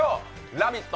「ラヴィット！」